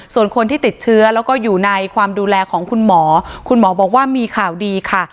ส่วนคนที่ติดเชื้อแล้วก็อยู่ในความดูแลของคุณหมอคุณหมอบอกว่ามีข่าวดีค่ะ